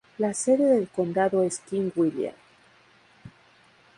La sede del condado es King William.